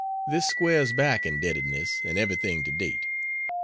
This squares back indebtedness and everything to date.